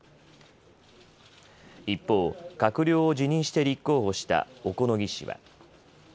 一方、閣僚を辞任して立候補した小此木氏は。